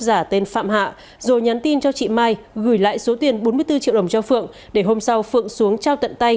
giả tên phạm hạ rồi nhắn tin cho chị mai gửi lại số tiền bốn mươi bốn triệu đồng cho phượng để hôm sau phượng xuống trao tận tay